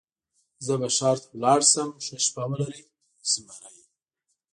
زه به ښار ته ولاړ شم، ښه شپه ولرئ زمري.